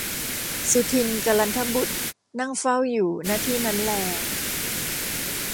สุทินน์กลันทบุตรนั่งเฝ้าอยู่ ณ ที่นั้นแล